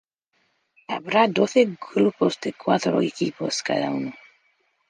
Habrá doce grupos de cuatro equipos cada uno.